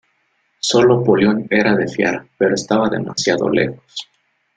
Sólo Polión era de fiar, pero estaba demasiado lejos.